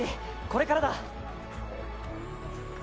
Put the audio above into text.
これからだ。